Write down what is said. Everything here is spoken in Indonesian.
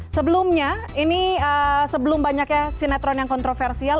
sebelumnya ini sebelum banyaknya sinetron yang kontroversial